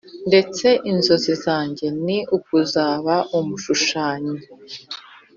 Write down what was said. ndetse inzozi zange ni ukuzaba umushushanyi